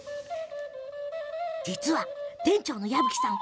店長の矢吹さん